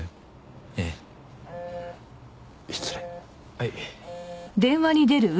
はい。